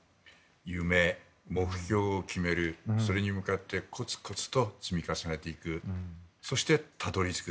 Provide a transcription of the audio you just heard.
夢、目標を決めるそれに向かってコツコツと積み重ねていくそして、たどり着く。